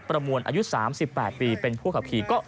ประมวลอายุ๓๘ปีเป็นผู้ขับขี่ก็